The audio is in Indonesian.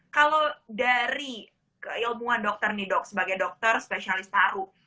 kalau dari keilmuan dokter nih dok sebagai dokter spesialis paru